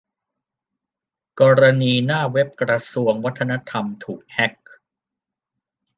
กรณีหน้าเว็บกระทรวงวัฒนธรรมถูกแฮ็ก